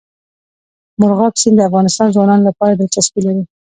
مورغاب سیند د افغان ځوانانو لپاره دلچسپي لري.